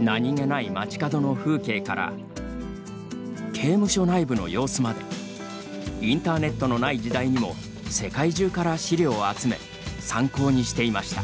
何気ない街角の風景から刑務所内部の様子までインターネットのない時代にも世界中から資料を集め参考にしていました。